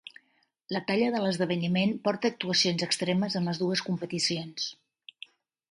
La talla de l'esdeveniment porta a actuacions extremes en les dues competicions.